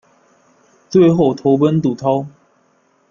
最后投奔杜弢。